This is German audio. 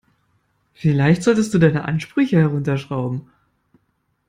Vielleicht solltest du deine Ansprüche herunterschrauben.